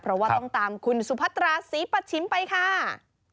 เพราะว่าต้องตามคุณสุพัตราศรีปัชชิมไปค่ะ